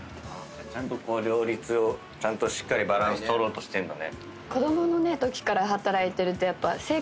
ちゃんと両立をしっかりバランス取ろうとしてんだね。